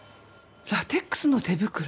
ラテックスの手袋？